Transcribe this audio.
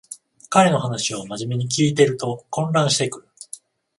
彼の話をまじめに聞いてると混乱してくる